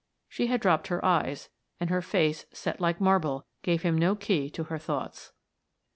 She had dropped her eyes, and her face, set like marble, gave him no key to her thoughts.